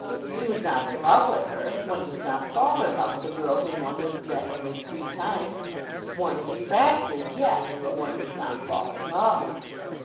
He was not in love with her. One does not fall in love with a girl whom one has met only three times. One is attracted yes; but one does not fall in love.